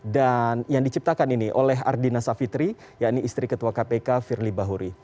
dan yang diciptakan ini oleh ardina savitri yang ini istri ketua kpk firly bahuri